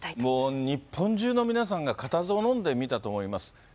もう日本中の皆さんが固唾をのんで見たと思います。